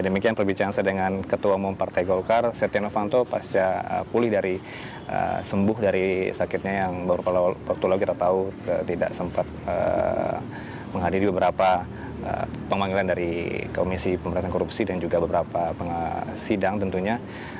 demikian perbicaraan saya dengan ketua umum partai golkar setia novanto pasca pulih dari sembuh dari sakitnya yang baru waktu lalu kita tahu tidak sempat menghadiri beberapa pemanggilan dari komisi pemerintahan korupsi dan juga beberapa sidang tentunya